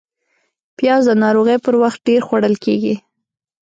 پیاز د ناروغۍ پر وخت ډېر خوړل کېږي